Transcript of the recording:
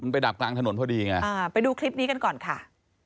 ไปดูคลิปนี้กันก่อนค่ะ